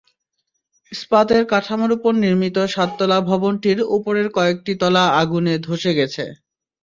ইস্পাতের কাঠামোর ওপর নির্মিত সাততলা ভবনটির ওপরের কয়েকটি তলা আগুনে ধসে গেছে।